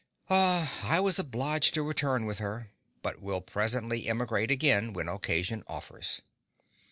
I was obliged to return with her, but will presently emigrate again, when occasion offers.